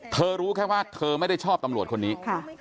รู้แค่ว่าเธอไม่ได้ชอบตำรวจคนนี้